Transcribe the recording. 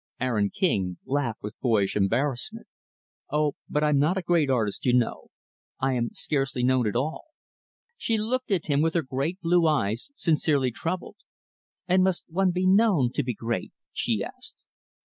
Aaron King laughed with boyish embarrassment. "Oh, but I'm not a great artist, you know. I am scarcely known at all." She looked at him with her great, blue eyes sincerely troubled. "And must one be known to be great?" she asked.